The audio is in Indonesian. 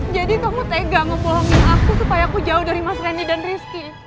jadi kamu tega ngebohongin aku supaya aku jauh dari mas rendy dan rizky